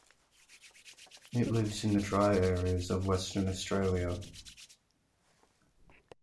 It lives in the dry areas of Western Australia.